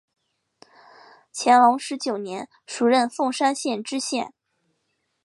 乾隆十九年署任凤山县知县。